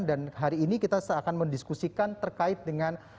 dan hari ini kita akan mendiskusikan terkait dengan